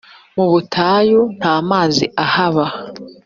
mubutayu ntamazi ahaba.